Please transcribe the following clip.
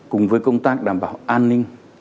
cùng với công tác đảm bảo an ninh